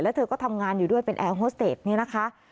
แล้วเธอก็ทำงานอยู่ด้วยเป็นแอร์โฮสเตจเนี่ยนะคะ